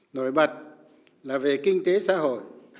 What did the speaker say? nổi bật là về kinh tế xã hội